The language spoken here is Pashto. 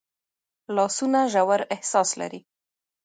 لاسونه ژور احساس لري